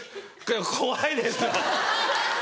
怖いですよ！